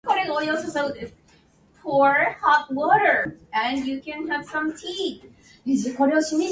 その年の九月に下の切り通しの河原町を西に折れたところに移りました